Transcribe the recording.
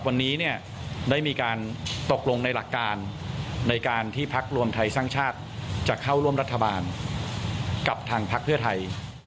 วันนี้เนี่ยได้มีการตกลงในหลักการในการที่พักรวมไทยสร้างชาติจะเข้าร่วมรัฐบาลกับทางพักเพื่อไทย